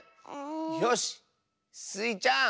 よしスイちゃん。